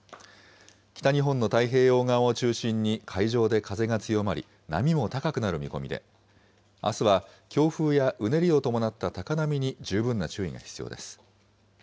北日本の太平洋側を中心に海上で風が強まり、波も高くなる見込みで、あすは強風やうねりを伴った高波に十分な注意が必要です。